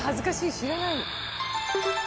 知らない！